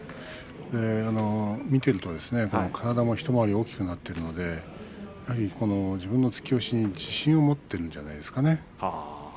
見ていると体も一回り大きくなっているので自分の突き押しに自信を持っているんじゃないですかね。